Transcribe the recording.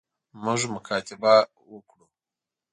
موږ مکاتبه وکړو.